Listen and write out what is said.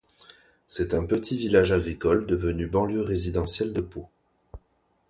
C'était un petit village agricole, devenu banlieue résidentielle de Pau.